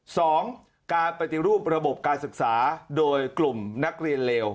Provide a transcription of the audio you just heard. สองการปฏิรูประบบการศึกษาโดยกลุ่มนักเรียนเลว